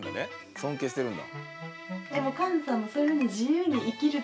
尊敬してるんだ。